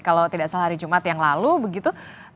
kalau tidak salah hari jumat yang lalu begitu